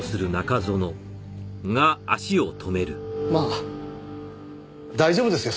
まあ大丈夫ですよ